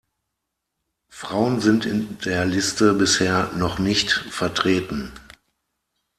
Frauen sind in der Liste bisher noch nicht vertreten.